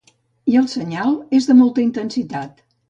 I el senyal és de molta intensitat.